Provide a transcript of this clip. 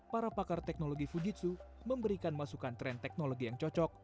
para pakar teknologi fujitsu memberikan masukan tren teknologi yang cocok